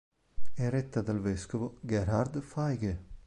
È retta dal vescovo Gerhard Feige.